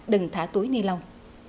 đừng thá túi ni lông